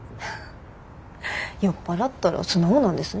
酔っ払ったら素直なんですね。